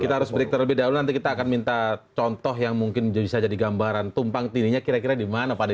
kita harus break terlebih dahulu nanti kita akan minta contoh yang mungkin bisa jadi gambaran tumpang tindihnya kira kira di mana pak dedy